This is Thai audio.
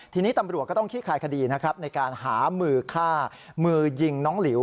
ทีนี้ตำรวจก็ต้องขี้คายคดีนะครับในการหามือฆ่ามือยิงน้องหลิว